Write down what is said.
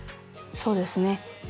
「そうですね」